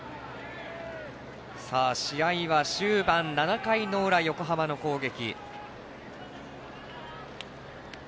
試合は終盤７回の裏横浜の攻撃。